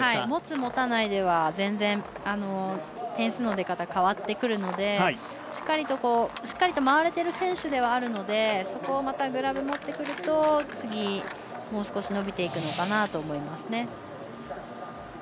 持つ、持たないでは全然、点数の出方変わってくるのでしっかりと回れてる選手ではあるのでそこをまた、グラブ持ってくると次、もう少し伸びてくるのかなと思います。